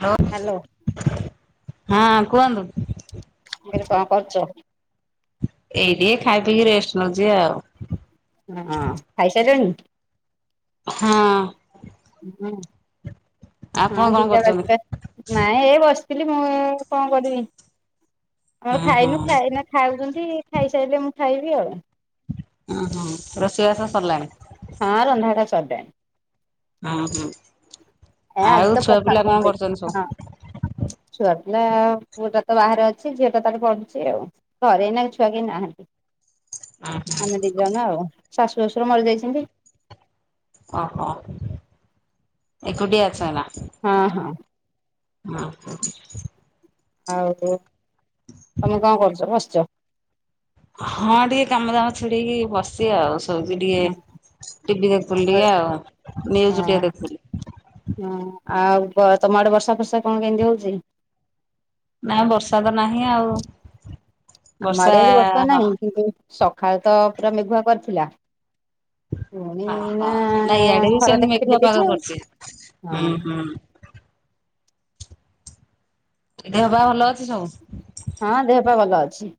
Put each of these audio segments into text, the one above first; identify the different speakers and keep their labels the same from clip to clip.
Speaker 1: Hello.
Speaker 2: Hello
Speaker 1: ହଁ କୁହନ୍ତୁ।
Speaker 2: ଦିଦି କଣ କରୁଚ?
Speaker 1: ଏଇଟି ଖାଇ ପିଇକି ରେଷ୍ଟ୍ ନଉଚି ଆଉ।
Speaker 2: ହଁ ଖାଇ ସାଇଲେଣି?
Speaker 1: ହଁ।
Speaker 2: ହୁଁ-
Speaker 1: ଆପଣ
Speaker 2: ହଁ
Speaker 1: କଣ
Speaker 2: ଦିଟା
Speaker 1: କରୁଛନ୍ତି?
Speaker 2: ବାଜିଲାଣି। ନାଇଁ ଏ ବସିଥିଲି ମୁଁ ଏ- କଣ କରିବି ଆଉ
Speaker 1: ହୁଁ
Speaker 2: ଖାଇନୁ-
Speaker 1: ହୁଁ।
Speaker 2: ଖାଇନା ଖାଉଚନ୍ତି ଖାଇ ସାଇଲେ ମୁଁ ଖାଇବି ଆଉ।
Speaker 1: ଉଁ -ହୁଁ ରୋଷେଇବାସ ସରିଲାଣି?
Speaker 2: ହଁ ରନ୍ଧା ବଢା ସରିଲାଣି।
Speaker 1: ଅଁ- ହୁଁ।
Speaker 2: ଏ
Speaker 1: ଆଉ
Speaker 2: ଆଜି ତ
Speaker 1: ଛୁଆ ପିଲା
Speaker 2: ପଖାଳ
Speaker 1: କଣ କରୁଛନ୍ତି ସବୁ?
Speaker 2: କରିଦେଇଚି- ହଁ। ଛୁଆ ପିଲା ପୁଅଟା ତ ବାହାରେ ଅଛି ଝିଅଟା ତାର ପଢୁଛି ଆଉ। ଘରେ ଏଇନା ଛୁଆ କେହି ନାହାଁନ୍ତି।
Speaker 1: ହୁଁ।
Speaker 2: ଆମେ ଦିଜଣ ଆଉ ଶାଶୁ ଶଶୁର ମରିଯାଇଚନ୍ତି।
Speaker 1: ଓହୋ ଏକୁଟିଆ ଅଛ ଏଇନା?
Speaker 2: ହଁ- ହଁ।
Speaker 1: ଓହୋ।
Speaker 2: ଆଉ ତୁ-ତମେ କଣ କରୁଚ? ବସିଚ।
Speaker 1: ହଁ ଟିକେ କାମ ଦାମ ଛିଡେଁଇକି ବସିିଚି ଆଉ। ଦଉଚି ଟିକେ
Speaker 2: ହଁ
Speaker 1: ଟିଭି ଦେଖୁଥିଲି
Speaker 2: ହଁ
Speaker 1: ଟିକେ ଆଉ ନିଉଜ୍ ଟିକେ ଦେଖୁଥିଲି।
Speaker 2: ହଁ ଆଉ ବ- ତମ ଆଡ଼େ ବର୍ଷା ଫର୍ଷା କଣ କେମିତି ହଉଚି?
Speaker 1: ନା ବର୍ଷାତ ନାହିଁ ଆଉ।
Speaker 2: ଆମ
Speaker 1: ବର୍ଷା
Speaker 2: ଆଡେ ଆଜି ବର୍ଷା
Speaker 1: ହ
Speaker 2: ନାଇଁ କିନ୍ତୁ ସଖାଳେ ତ ପୁରା ମେଘୁଆ କରିଥିଲା ପୁଣି
Speaker 1: ହଁ ହଁ
Speaker 2: ଏଇନା
Speaker 1: ନାଇଁ ଇଆଡେ ବି
Speaker 2: ଖରା
Speaker 1: ସେମିତି ମେଘୁଆ ପାଗ
Speaker 2: ଦେଖେ-ଦେଖେଇଚି ଆଉ।
Speaker 1: କରିଛି।
Speaker 2: ହଁ
Speaker 1: ହୁଁ
Speaker 2: -
Speaker 1: ହୁଁ। ଦେହ ପା ଭଲ ଅଛି ସବୁ?
Speaker 2: ହଁ ଦେହ ପା ଭଲ ଅଛି।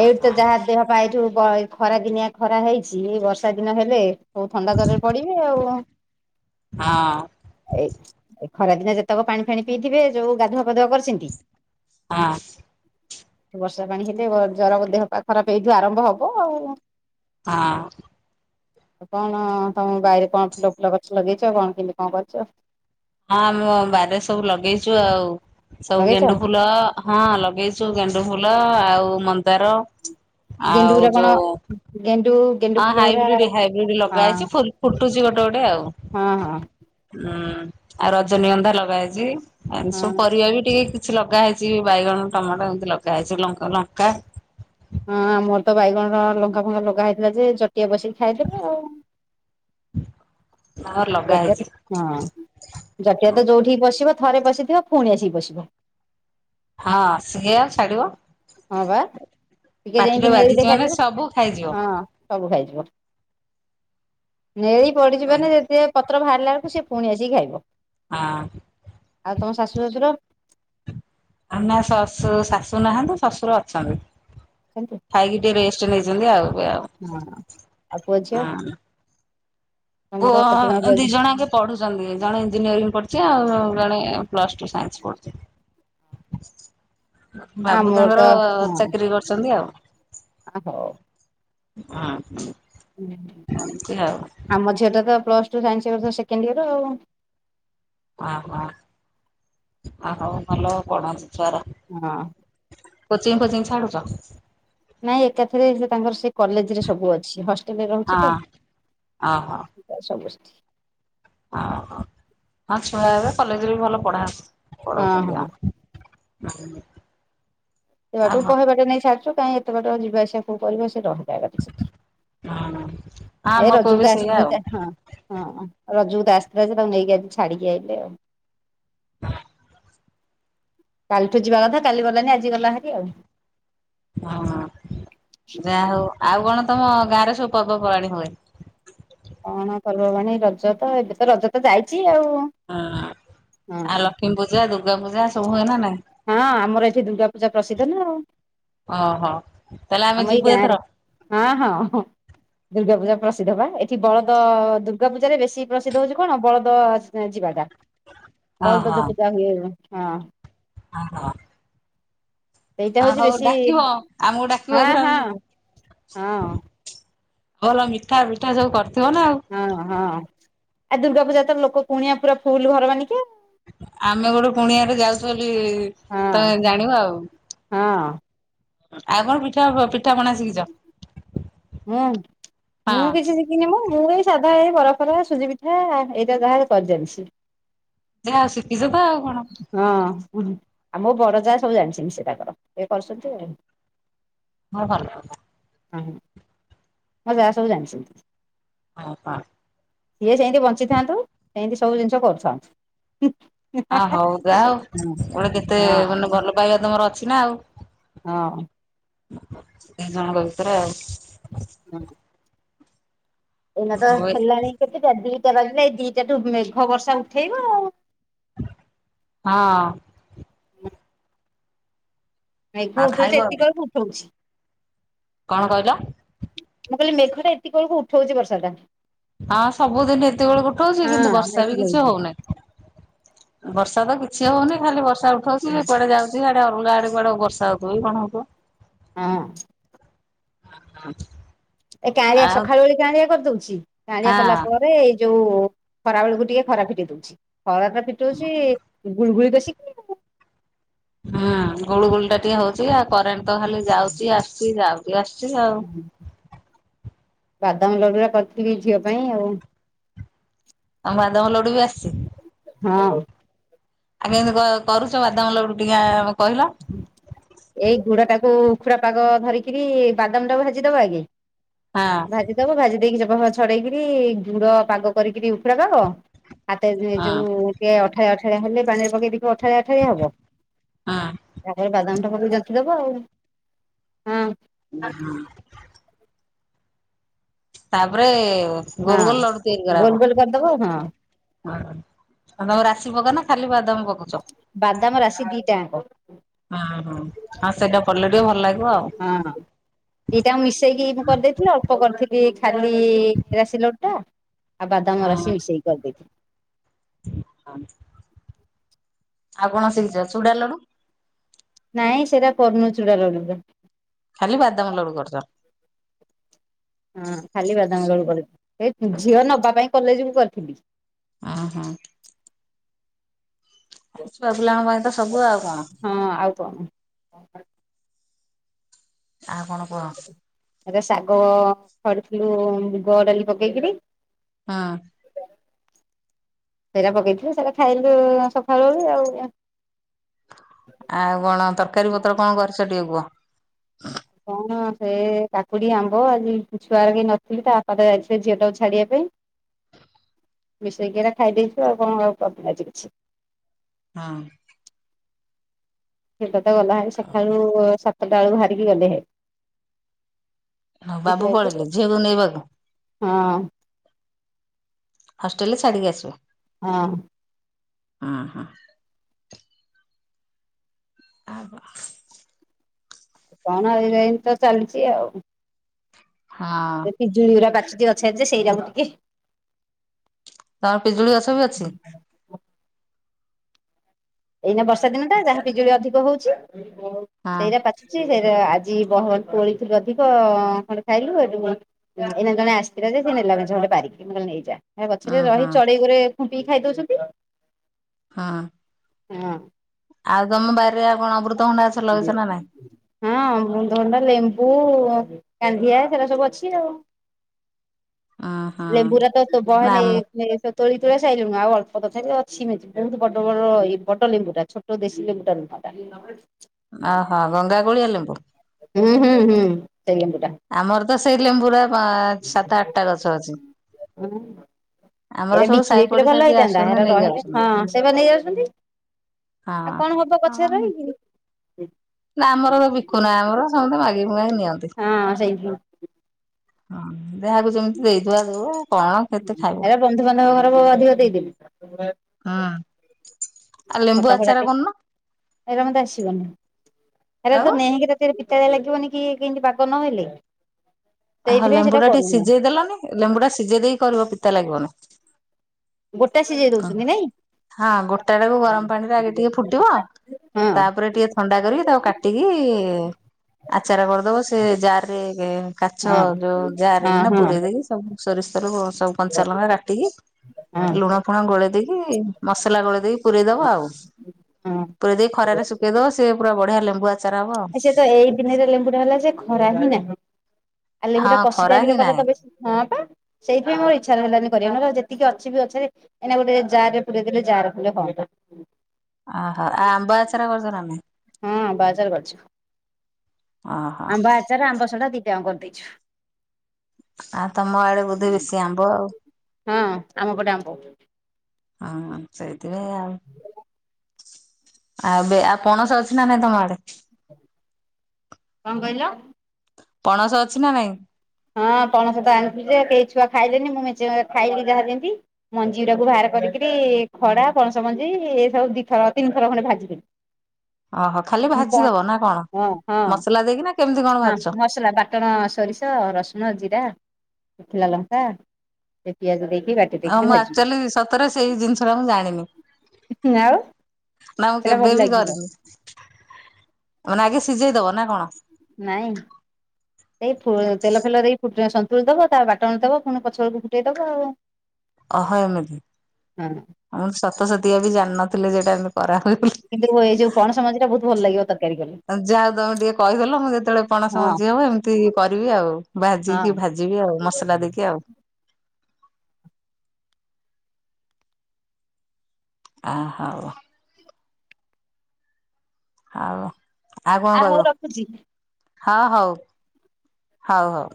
Speaker 2: ଏଇଠୁ ତ ଯାହା ଦେହ ପା ଏଇଠୁ ବ- ଖରା ଦିନିଆ ଖରା ହେଇଚି ବର୍ଷା ଦିନ ହେଲେ ସବୁ ଥଣ୍ଡା ଜରରେ ପଡିବେ।
Speaker 1: ହଁ ହଁ
Speaker 2: ଏଇ ଏ ଖରାଦିନେ ଯେତେକ ପାଣି ଫାଣି ପିଇଥିବେ ଯୋଉ ଗାଧୁଆ ପାାଧୁଆ କରିଛନ୍ତି।
Speaker 1: ହୁଁ
Speaker 2: ବର୍ଷା-
Speaker 1: ହଁ
Speaker 2: ଆଉ କଣ?
Speaker 1: ହଁ ମୁଁ ଆମ ବାରିରେ ସବୁ ଲଗେଇଚୁ ଆଉ ସବୁ
Speaker 2: ଲଗେଇଛ?
Speaker 1: ଗେଣ୍ଡୁ ଫୁଲ ଅ- ହଁ ଲଗେଇଚୁ ଗେଣ୍ଡୁଫୁଲ ଆଉ ମନ୍ଦାର। ଆଉ
Speaker 2: ଗେଣ୍ଡୁ ଫୁଲ କଣ
Speaker 1: ଯୋଉ
Speaker 2: ଗେଣ୍ଡୁ- ଗେଣ୍ଡୁ
Speaker 1: ହଁ
Speaker 2: ଫୁଲ ଗୁରା
Speaker 1: ହାଇବ୍ରିଡ୍ ହାଇବ୍ରିଡ୍ ଲଗା
Speaker 2: ହଁ
Speaker 1: ହେଇଛି ଫୁଲ୍ ଫୁଟୁଛି ଗୋଟେ ଗୋଟେ ଆଉ।
Speaker 2: ହଁ ହଁ
Speaker 1: ହୁଁ ଆଉ ରଜନୀଗନ୍ଧା ଲଗାହେଇଛି ଏମିତି
Speaker 2: ହଁ
Speaker 1: ସବୁ ପରିବା ବି ଟିକେ କି- କିଛି ଲଗା ହେଇଛି ବାଇଗଣ ଟମାଟୋ ଏମିତି ଲଗା ହେଇଛି ଲଙ୍କା ଲଙ୍କା।
Speaker 2: ହଁ ଆମର ତ ବାଇଗଣ ଟମାଟୋ ଲଙ୍କା ଫଙ୍କା ଲଗା ହେଇଥିଲା ଯେ ଜଟିଆ ବସିକି ଖାଇଦେଲା ଆଉ।
Speaker 1: ଆଉରି ଲଗା
Speaker 2: ଜଟିଆ
Speaker 1: ହେଇଛି।
Speaker 2: ହଁ ଜଟିିଆ ତ ଯୋଉଠିି ବସିବ ଥରେ ବସିଥିବ ଫୁଣି ଆସିକି ପସିବ।
Speaker 1: ହଁ ସିଏ ଆଉ ଛାଡିବ।
Speaker 2: ହଁ ବା ଟିକେ
Speaker 1: ପାଟିରେ
Speaker 2: ଯେମତି ନେଳି
Speaker 1: ବାଜିଛି ମାନେ
Speaker 2: ଦେଖାଯିବ
Speaker 1: ସବୁ ଖାଇଯିବ।
Speaker 2: ହଁ ସବୁ ଖାଇଯିବ। ନେଳି ପଡିଯିବନି ଯେ ପତ୍ର ବାହାରିଲା ବେଳକୁ ସେ ପୁଣି ଆସିକି ଖାଇବ।
Speaker 1: ହଁ
Speaker 2: ଆଉ ତମ ଶାଶୁ ଶାଶୁର?
Speaker 1: ନା ଶଶୁ ଶାଶୁ ନାହାନ୍ତି ଶ୍ୱଶୁର ଅଛନ୍ତି।
Speaker 2: ସନ୍ତୁ।
Speaker 1: ଖାଇକି ଟିକେ ରେଷ୍ଟ ନେଇଛନ୍ତି ଆଉ ଏବେ ଆଉ।
Speaker 2: ହଁ ଆଉ ପୁଅ ଝିଅ।
Speaker 1: ହଁ।
Speaker 2: ତମର କେତେ
Speaker 1: ପୁଅ ଦି
Speaker 2: ଝିଅ
Speaker 1: ଜଣ ଙ୍କେ ପଢୁଛନ୍ତି ଜଣେ ଇଞ୍ଜିନିୟରିଂ ପଢୁଛି ଆଉ ଜଣେ ପ୍ଲସ ଟୁ ସାଇନ୍ସ ପଢୁଛି। ବାବୁ
Speaker 2: ଆମର ତ
Speaker 1: ତାଙ୍କର
Speaker 2: ହଁ
Speaker 1: ଚାକିରି କରୁଛନ୍ତି ଆଉ।
Speaker 2: ହଉ।
Speaker 1: ହଁ। ଏମିତି ଆଉ।
Speaker 2: ଆମ ଝିଅ ଟା ତ plus two science year second year ଆଉ।
Speaker 1: ଓହୋ ଆ ହୋ ଭଲ ପଢନ୍ତୁ ଝୁଆର।
Speaker 2: ହଁ।
Speaker 1: କୋଚିଂ ଫୋଚିଂ ଛାଡୁଛ?
Speaker 2: ନାଇଁ ଏକାଥରେ ସେ ତାଙ୍କର ସେ କଲେଜରେ ସବୁ ଅଛି ହଷ୍ଟେଲରେ ରହୁଛି ତ।
Speaker 1: ହଁ ଓହୋ
Speaker 2: ଏ ସମସ୍ତେ
Speaker 1: ହଁ ହଁ ଆଉ ଛୁଆ ଏବେ କଲେଜରେ ବି ଭଲ ପଢା
Speaker 2: ହଁ
Speaker 1: ପଢଉଛନ୍ତି
Speaker 2: ହଁ
Speaker 1: ଆଉ।
Speaker 2: ସେ
Speaker 1: ଓହୋ
Speaker 2: ବାଟୁହିବାଟେ ନେଇ ଛୁ କାହିଁ ଏତେଟ ଯିବା ଆସିବା କଉଁ କରିବା ସେ ରହିଯ ସେଠି।
Speaker 1: ହଁ ଆମ
Speaker 2: ଏ
Speaker 1: ପୁଅ
Speaker 2: ରଜକୁ
Speaker 1: ବି
Speaker 2: ତ
Speaker 1: ସେଇଆ ଆଉ।
Speaker 2: ଆସିଥିଲେ ହଁ। ହଁ ରଜକୁ ତ ଆସିଥିଲେ ଯେ ତାକୁ ନେଇକି ଆଜି ଛାଡିକି ଆଇଲେ ଆଉ। କାଲିଠୁ ଯିବା କଥା କାଲି ଗଲାନି ଆଜି ଗଲା ହେରି ଆଉ।
Speaker 1: ହଁ ଯାହା ହଉ ଆଉ କଣ ତମ ଗାଁରେ ସବୁ ପର୍ବପର୍ବାଣି ହୁଏ।
Speaker 2: କଣ ପର୍ବ ପର୍ବାଣି ରଜ ତ ଏବେ ତ ରଜ ତ ଯାଇଛି ଆଉ।
Speaker 1: ହଁ
Speaker 2: ହଁ
Speaker 1: ଆଉ ଲକ୍ଷ୍ମୀ ପୂଜା ଦୁର୍ଗା ପୂଜା ସବୁ ହୁଏନା ନାଇଁ?
Speaker 2: ହଁ ଆମର ଏଠି ଦୁର୍ଗା ପୂଜା ପ୍ରସିଦ୍ଧ ନା ଆଉ
Speaker 1: ଓହୋ। ତାହେଲେ ଆମେ
Speaker 2: ଆମ ଏଇ
Speaker 1: ଯିବୁ ଏଥର
Speaker 2: ଗାଁରେ ହଁ ହଁ ହ। ଦୁର୍ଗା ପୂଜା ପ୍ରସିଦ୍ଧ ବା ଏଠି ବଳଦ ଦୁର୍ଗା ପୂଜାରେ ବେଶୀ ପ୍ରସିଦ୍ଧ ହଉଛି କଣ ବଳଦ ଯିବାଟା ବଳଦଜ ପୂଜା ହୁଏ ହଁ।
Speaker 1: ହ ହଁ।
Speaker 2: ସେଇଟା
Speaker 1: ଆ
Speaker 2: ହଉଛି
Speaker 1: ହଉ
Speaker 2: ବେଶୀ
Speaker 1: ଡାକିବ ଆମକୁ ଡାକିବ
Speaker 2: ହଁ
Speaker 1: ଏଥର
Speaker 2: ହଁ
Speaker 1: ଆମେ ଯିବୁ।
Speaker 2: ହଁ।
Speaker 1: ଭଲ ମିଠା ଫିଠା ସବୁ କରିଥିବ ନା ଆଉ।
Speaker 2: ହଁ ହଁ ଆ ଦୁର୍ଗା ପୂଜା ତ ଲୋକ କୁଣିଆ ପୁରା ଫୁଲ ଘର ମାନଙ୍କେ
Speaker 1: ଆମେ ଗୋଟେ କୁଣିଆରେ ଯାଉଛୁ ବୋଲି
Speaker 2: ହଁ
Speaker 1: ତମେ ଜାଣିବ ଆଉ
Speaker 2: ହଁ।
Speaker 1: ଆଉ କଣ ପିଠା ପିଠା ପଣା ଶିକିଛ।
Speaker 2: ମୁଁ ମୁଁ କିଛି ମୁଁ ଏଇ ସାଧା ଏଇ ବରଫରା ସୁଜି ପିଠା ଏଇଟା ଯାହା କରି ଜାଣିଛି।
Speaker 1: ଯ ଆଉ ଶିଖିଛ ତ ଆଉ କଣ।
Speaker 2: ହଁ ଆଉ ମୋ ବଡ଼ ଯା ସବୁ ଜାଣିଛନ୍ତି ସେତକର ତାଙ୍କର ଇଏ କରୁଛନ୍ତି ଆଉ
Speaker 1: ହଁ ଭଲ
Speaker 2: ହୁଁ ହଁ। ହଁ ଯାହା ସବୁ ଜାଣିଛନ୍ତି।
Speaker 1: ହ ହ।
Speaker 2: ସିଏ ସେମିତି ବଞ୍ଚିଥାନ୍ତୁ ସେମିତି ସବୁ ଜିନିଷ କରୁଥାନ୍ତୁ।
Speaker 1: ଆ ହଉ ଯାହା
Speaker 2: ହଁ
Speaker 1: ହଉ ଗୁଟେ କେତେ
Speaker 2: ହଁ
Speaker 1: ମାନେ ଭଲ ପାଇବା ତମର ଅଛି ନା ଆଉ।
Speaker 2: ହଁ।
Speaker 1: ଏ ଜଣଙ୍କ ଭିତରେ ଆଉ।
Speaker 2: ହୁଁ ଏଇନା ତ
Speaker 1: ହଁ
Speaker 2: ହେଲାଣି କେତେଟା ଦିଟା ବାଜିଲା ଏଇ ଦିଟାଠୁ ମେଘ ବର୍ଷା ଉଠେଇବ ଆଉ।
Speaker 1: ହଁ
Speaker 2: ହ [unintelligible] ମେଘ ଉଠଉଛି
Speaker 1: ଖାଇବ
Speaker 2: ଏତିକିବେଳକୁ ଉଠଉଛି।
Speaker 1: କଣ କହିଲ?
Speaker 2: ମୁଁ କହିଲି ମେଘଟା ଏତିକି ବେଳକୁ ଉଠଉଛି ବର୍ଷା ଟା।
Speaker 1: ହଁ ସବୁଦିନ ଏତେବେଳକୁ ଉଠଉଛି କିନ୍ତୁ
Speaker 2: ହଁ
Speaker 1: ବର୍ଷା ବି
Speaker 2: ଏତିକି
Speaker 1: କିଛି
Speaker 2: ବେଳକୁ
Speaker 1: ହଉନାହିଁ। ବର୍ଷା ତ କିଛି ହଉନି ଖାଲି ବର୍ଷା
Speaker 2: ହଁ
Speaker 1: ଉଠଉଛି କୁଆଡେ ଯାଉଛି। ଯୁଆଡ଼େ ହଉ ଆଡେ କୁଆଡ଼େ ବର୍ଷା ହବ କି କଣ ହବ।
Speaker 2: ହଁ।
Speaker 1: ଓ ହଁ [inaudible]
Speaker 2: ଏ କାଆଳିଆ ସଖାଳୁ ଓଳି କାଆଳିଆ କରିଦଉଛି କାଆଳିଆ କଲା
Speaker 1: ହଁ।
Speaker 2: ପରେ ଏଇ ଯୋଉ ଖରା ବେଳକୁ ଟିକେ ଖରା ଫିଟେଇ ଦଉଛି ଖରା ଟା ଫିଟଉଛି ଗୁଳି ଗୁଳି ବେଷି
Speaker 1: ହୁଁ ଗୁଳୁଗୁଳି ଟା ଟିକେ ହଉଛି ଆଉ କରେଣ୍ଟ ତ ଖାଲି ଯାଉଛି ଆସଛି ଯାଉଛି ଆସଛି ଆଉ।
Speaker 2: ବାଦାମ ଲଡୁରା କରିଥିଲି ଝିଅ ପାଇଁ ଆଉ।
Speaker 1: ବାଦାମ ଲଡୁ ବି ଆସିଛି।
Speaker 2: ହଁ।
Speaker 1: ଆଜ୍ଞା କରୁଛ ବାଦାମ ଲଟୁ ଟିକେ କହିଲ।
Speaker 2: ଏଇ ଗୁଡ ଟାକୁ ଉଖୁଡା ପାଗ ଧରିକିରି ବାଦାମ ଟା ଭାଜି ଦବା ଆଗେ।
Speaker 1: ହଁ।
Speaker 2: ଭାଜି ଦବ ଭାଜି ଦେଇକି ଚୋପା ଫୋପା ଛଡେଇକିରି ଗୁଡ ପାଗ କରିକିରି ଉଖୁଡ଼ା ଦବ। ହାତରେ
Speaker 1: ହଁ
Speaker 2: ଯୋଉ ଏ ଯୋଉ ଟିକେ ଅଠାଳିଆ ଅଠାଳିଆ ହେଲେ ପାଣିରେ ପକେଇଦେଇକି ଅଠାଳିଆ ଅଠାଳିଆ ହବ।
Speaker 1: ହଁ
Speaker 2: ତାପରେ ବାଦାମ ଟା ପକେଇକି ଛନ୍ତି ଦବ ଆଉ ହଁ।
Speaker 1: ହୁ ହୁଁ [inaudible] ତାପରେ ଗୋଲଗୋଲ
Speaker 2: ହଁ
Speaker 1: ଲଡୁ ତିଆରି
Speaker 2: ଗୋଲ
Speaker 1: କରାହବ।
Speaker 2: ଗୋଲ କରିଦବ ହଁ
Speaker 1: ହଉ ତମ ରାଶି ପକାଅ ନା ଖାଲି ବାଦାମ ପକାଅ।
Speaker 2: ବାଦାମ ରାଶି ଦି ଟା ଯାଙ୍କ।
Speaker 1: ହଁ ହଁ ହଉ ସେଇଟା କଲେ ଟିକେ ଭଲ ଲାଗିବ ଆଉ।
Speaker 2: ଏଇଟା ମିଶେଇକି ମୁଁ କରିଦେଇଥିଲି ଅଳ୍ପ କରିଥିଲି ଖାଲି ରାଶି ଲଡୁ ଟା। ଆଉ ବାଦାମ ରାସିି ମିଶେଇକି କରିଦେଇଥିଲି।
Speaker 1: ଆଉ କଣ ଶିଖିଛ? ଚୁଡା ଲଡୁ
Speaker 2: ନାଇଁ ସେରା କଣ୍ଣଚୂଡା ର [unintelligible]
Speaker 1: ଖାଲି ବାଦାମ ଲୋଡୁ କରୁଚ।
Speaker 2: ହଁ ଖାଲି ବାଦାମ ଲଡୁ କରି ଏ ଝିଅ ନବା ପାଇଁ କଲେଜ କୁ କରିଥିଲି।
Speaker 1: ଓ ହଁ ଛୁଆ ପିଲାଙ୍କ ପାଇଁ ତ ସବୁ ଆଉ କଣ।
Speaker 2: ହଁ ଆଉ କଣ।
Speaker 1: ଆଉ କଣ କୁହ?
Speaker 2: ଏବେ ଶାଗ ଖଡିଥିଲୁ ମୁଗ ଡାଲି ପକେଇକିରି।
Speaker 1: ହଁ।
Speaker 2: ସେରା ପକେଇଥିଲୁ ସେରା ଖାଇଲୁ ସକାଳୁ ଓଳି ଆଉ
Speaker 1: ଆଉ କଣ ତରକାରୀ ପତର କଣ କରିଛ ଟିକେ କୁହ?
Speaker 2: କଣ ସେ କାକୁଡ଼ି ଆମ୍ବ ଆଜି ଛୁଆଓରା କେହି ନଥିଲେ ତା ବାପା ତ ଯାଇଥିଲେ ଝିଅଟାକୁ ଛାଡ଼ିବା ପାଇଁ। ମିଶେଇକିନା ଖାଇ ଦେଇଛୁ ଆଉ କଣ କରିନି ଆଜି କିଛି।
Speaker 1: ହଁ
Speaker 2: [unintelligible] ଗଲା ଭାରି ସକାଳୁ ସାତଟା ବେଳକୁ ବାହାରିକି ଗଲେ।
Speaker 1: ହଁ
Speaker 2: ବିକି
Speaker 1: ବାବୁ
Speaker 2: ଆଇଲେ
Speaker 1: ପଳେଇିଲେ ଝିଅକୁ ନେଇବାକୁ।
Speaker 2: ହଁ
Speaker 1: ହଷ୍ଟେଲ୍ ରେ ଛାଡିକି ଆସିବେ।
Speaker 2: ହଁ
Speaker 1: ଉଁ ହୁଁ [unintelligible]
Speaker 2: କଣ ଏଇରା ଇମତି ତ ଚାଲିଛି ଆଉ
Speaker 1: ହଁ
Speaker 2: ପିଜୁଳିୁଉରା ପାଚିଚି ଅଛେ ଯେ ସେରା ମୁଁ ଟିକେ
Speaker 1: ତମ ପିଜୁଳି ଗଛ ବି ଅଛି?
Speaker 2: ଏଇନା ବର୍ଷା ଦିନ ଟା ଯାହା ପିଜୁଳି ଅଧିକ ହଉଛି
Speaker 1: ହଁ।
Speaker 2: ସେରା ପାଚୁ ଚି ସେରା ଆଜି ବହ ତୋଳିଥିଲୁ ଅଧିକ ଖଣ୍ଡ ଖାଇଲୁ ଏଠୁ ଏଇନା ଜଣେ ଆସିଥିଲା ଯେ ସେ ନେଲା ମେଞ୍ଚାଖଣ୍ଡେ ପାରିକି ମୁଁ କହିଲି ନେଇଯା। ଏ
Speaker 1: ଅଁ
Speaker 2: ଗଛରେ
Speaker 1: ହଁ।
Speaker 2: ରହି ଚଢେଇ ଗୋରେ ଖୁମ୍ପିକି ଖାଇ ଦଉଛନ୍ତି।
Speaker 1: ହଁ
Speaker 2: ହଁ
Speaker 1: ଆଉ ତମ ବାରିରେ ଆଉ କଣ ଅମୃତ ଭଣ୍ଡା ଗଛ ଲଗେଇଛ ନାଇଁ?
Speaker 2: ହଁ ଅମୃତ ଭଣ୍ଡା ଲେମ୍ବୁ କାନ୍ଧିଆ ସେରା ସବୁ ଅଛି ଆଉ।
Speaker 1: ଓହୋ
Speaker 2: ଲେମ୍ବୁରା ତ ତୋ ବହେ
Speaker 1: ନା
Speaker 2: ନେ
Speaker 1: ଆମ
Speaker 2: [unintelligible] ତୋଳି ତୁଳା ସାଇିଲୁଣୁ ଆଉ ଅଳ୍ପ ତଥାପି ଅଛି ମେଞ୍ଚେ [unintelligible] ବଡ ବଡ ଇ ବଡ ଲେମ୍ବୁ ଟା ଛୋ [unintelligible] ଦେଶୀ ଲେମ୍ବୁଟାରୁ ଖଟା।
Speaker 1: ଓହୋ ଗଙ୍ଗା କୋଳିଆ ଲେମ୍ବୁ
Speaker 2: ହୁଁ ହୁଁ ହୁଁ ସେ ଲେମ୍ବୁ ଟା
Speaker 1: ଆମର ତ ସେଇ ଲେମ୍ବୁରା ସାତ ଆଠଟା ଗଛ ଅଛି। ଆମର
Speaker 2: ଏରା
Speaker 1: ସବୁ
Speaker 2: ବିକି
Speaker 1: ସାହି
Speaker 2: ଦେଇଥିଲେ
Speaker 1: ପଡିଶା
Speaker 2: ଭଲ
Speaker 1: ଯିଏ
Speaker 2: ହେଇଥାନ୍ତା।
Speaker 1: ଆସୁଛନ୍ତି
Speaker 2: ଏହରା
Speaker 1: ନେଇ
Speaker 2: ରହିଲେ
Speaker 1: ଯାଉଛନ୍ତି
Speaker 2: ହଁ ସେବା ନେଇେ ଯାଉଛନ୍ତି। ଆଉ
Speaker 1: ହଁ।
Speaker 2: କଣ ହବ
Speaker 1: ହଁ
Speaker 2: ଗଛରେ ରହିକି।
Speaker 1: ନା ଆମର ବା ବିକୁନା ଆମର ସମସ୍ତେ ମାଗି ମୁଗାକି ନିଅନ୍ତି।
Speaker 2: ହଁ ସେଇ
Speaker 1: ଯାହାକୁ ଯେମିତି ଦେଇ ଦୁଆ ଦଉ କଣ କେତେ ଖାଇବ ହୁଁ
Speaker 2: ହେରା ବନ୍ଧୁବାନ୍ଧବ ଘରକୁ ଅଧିକ ଦେଇଦଉ।
Speaker 1: ହଁ ଆ ଲେମ୍ବୁ
Speaker 2: ଫଟା ଫଟା
Speaker 1: ଆଚାର
Speaker 2: ଟେ
Speaker 1: କରୁନ
Speaker 2: ଏରା ମତେ ଆସିବନି
Speaker 1: ଆଉ
Speaker 2: ହେରାତ [unintelligible] ସେରା ପିତାଳିଆ ଲାଗିବନି କି କିମତି ପାଗ ନହଲେ
Speaker 1: ହ ଲେମ୍ବୁ ଟା ଟିକେ ସିଝେଇ ଦେଲନି ଲେମ୍ବୁଟା ସିଝେଇ ଦେଇକି କରିବ ପିତା ଲାଗିବନି
Speaker 2: ଗୋଟା ସିଝେଇ ଦଉଛନ୍ତି ନାଇଁ
Speaker 1: ହଁ ଗୋଟାଟାକୁ ଗରମ ପାଣିରେ ଆଗେ ଟିକେ ଫୁଟିବ ତାପରେ ଟିକେ ଥଣ୍ଡା କରିକି ତାକୁ କାଟିକି ଆଚାର କରିଦବ ସେ ଜାର ରେ କାଚ
Speaker 2: ହଁ।
Speaker 1: ଯୋଉ
Speaker 2: ହଁ
Speaker 1: ଜାରେ କି ନା
Speaker 2: ହଁ
Speaker 1: ପୁରରେଇ ଦେଇକି ସବୁ ସୋରିଷତେଲ ସବୁ କଞ୍ଚା ଲଙ୍କା କାଟିକି
Speaker 2: ହଁ।
Speaker 1: ଲୁଣ ଫୁଣ ଗୋଳେଇ ଦେଇକି, ମସଲା ଗୋଳେଇ ଦେଇକି ପୁରରେଇଦବ ଆଉ। ପୁରା ଦେଇ ଖରାରେ ଶୁଖେଇ ଦବ। ସେ ପୁରା ବଢିଆ ଲେମ୍ବୁ ଆଚ
Speaker 2: ସେ ତ ଏଇ ଦିନରେ ଲେମ୍ବୁଟା ହେଲା ଯେ, ଖରା ହିଁ ନାହିଁ। ଆ ଲେମ୍ବୁ ଟା
Speaker 1: ହଁ
Speaker 2: କଷିତା
Speaker 1: ଖରା ହିଁ
Speaker 2: ବିର କଲେ
Speaker 1: ନାହିଁ
Speaker 2: ତ ବେଶି, ହଁ ପା। ସେଇଥିପାଇଁ ମୋର ଇ୍ଛା ହେଲାନି କରିବା। ନହେଲେ ଯେତିକି ଅଛି ବି ଗଛରେ ଏଇନା ଗୋଟେ ଜାରରେ ପୁରେଇ ଦେଲେ, ଜାରେ ପୁରେ ହଅନ୍ତ।
Speaker 1: ଆହା, ଆ-ଆମ୍ବ ଆଚାର କରିଛନା ନାଇଁ?
Speaker 2: ହଁ ଆମ୍ବ ଆଚାର କରିଛୁ
Speaker 1: ଓହୋ
Speaker 2: ଆମ୍ବ ଆଚାର, ଆମ୍ବ ସଢା ଦିଟାଙ୍କୁ କରିଦେଇଛୁ।
Speaker 1: ଆଉ, ତମ ଆଡେ ବୋଧେ ବେଶି ଆମ୍ବ ଆଉ।
Speaker 2: ହଁ, ଆମ ପଟେ ଆମ୍ବ।
Speaker 1: ଆ-ଆ ସେଇଥିରେ ଆଉ। ଆଉ, ଏବେ ଆଉ ପଣସ ଅଛି ନା ନାଇଁ ତମ ଆଡେ?
Speaker 2: କଣ କହିଲ?
Speaker 1: ପଣସ ଅଛି ନା ନାଇଁ?
Speaker 2: ହଁ, ପଣସ ଟା ଆଣିଥିଲି ଯେ, କେହି ଛୁଆ ଖାଇଲେନି। ମୁଁ ମେଞ୍ଚେ ମେଞ୍ଚେ ଖାଇଲିି ଯାହା ଯେଁତି। ମଞ୍ଜି ଗୁରାକୁ ବାହାର କରିକିରି ଖଡା ପଣସ ମଞ୍ଜି ଏ ସବୁ ଦିଥର ତିନିଥର ଖଣ୍ଡେ ଭାଜିିଦେଲି।
Speaker 1: ଓହୋ ଖାଲି
Speaker 2: ମୁଁ କଣ?
Speaker 1: ଭାଜିଦବ ନା
Speaker 2: ହଁ ହଁ
Speaker 1: ମସଲା ଦେଇକି ନା କେମିତି କଣ
Speaker 2: ହଁ
Speaker 1: ଭାଜୁଛ
Speaker 2: ମସଲା ବାଟ୍ ଟଣ ସୋରିଷ, ରସୁଣ, ଜିରା, ଶୁଖିଲା ଲଙ୍କା, ସେ ପିଆଜ ଦେଇକି ବାଟ୍ -
Speaker 1: ହଁ, ମୁଁ ଆକ୍ଚୁଆଲି ସତରେ ସେଇ ଜିନିଷଟା ମୁଁ ଜାଣିନି।
Speaker 2: ହୁଁ, ଆଉ।
Speaker 1: ନା ମୁଁ
Speaker 2: ସେଟା ଭଲ
Speaker 1: କେବେ ବି
Speaker 2: ଲାଗିବ
Speaker 1: କରିନି? ମାନେ ଆଗେ ସିଝେଇ ଦବ ନା କଣ?
Speaker 2: ନାଇଁ। ଏଇ ଫୁ ତେଲ ଫେଲ ଦେଇ ସନ୍ତୁଳି ଦବ ତା ବାଟଣ ଦବ ପୁଣି ପଛଅଳକୁ ଫୁଟେଇ ଦବ ଆଉ।
Speaker 1: ଅହ ଏମିତି!
Speaker 2: ହଁ
Speaker 1: ମୁଁ ସତ ସତଆ ବି ଜାଣିନଥିଲେ ଯେଟା ଏମତି କରା ହୁଏ ବୋଲି।
Speaker 2: କିନ୍ତୁ, ଏଇ ଯୋଉ ପଣସ ମଞ୍ଜିଟା ବହୁତ ଭଲ ଲାଗିବ। ତକ୍ -
Speaker 1: ଯା ହଉ ତମେ ଟିକେ କହିଦେଲ। ମୁଁ ଯେତେବେଳେ ପଣସ
Speaker 2: ହଁ
Speaker 1: ମଞ୍ଜି ହବ ଏମିତି କରିବି ଆଉ। ଭା ଯିକି
Speaker 2: ହଁ
Speaker 1: ଭାଜିବି ଆଉ, ମସଲା ଦେଇକି ଆଉ। ଆହ! ଆଉ- ଆଉ କଣ
Speaker 2: ଆ ହଉ
Speaker 1: କହିବ?
Speaker 2: ରଖୁଛି।
Speaker 1: ହଁ ହଉ, ହଉ ହଉ।